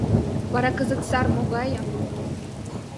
Вара кызыт сар могае?